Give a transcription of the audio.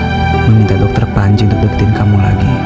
mungkin aku salah meminta dokter panji untuk deketin kamu lagi